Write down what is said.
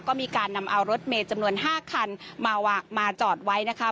ก็มีการนำเอารถเมศจำนวนห้าคันมาวากมาจอดไว้นะคะ